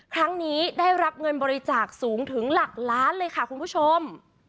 ครั้งนี้ได้รับเงินบริจาคสูงถึงหลักล้านเลยค่ะคุณผู้ชม